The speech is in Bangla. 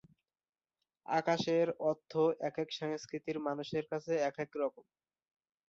আকাশের অর্থ একেক সংস্কৃতির মানুষের কাছে একেক রকম।